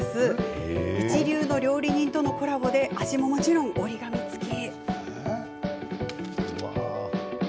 一流の料理人とのコラボでもちろん味も折り紙つき。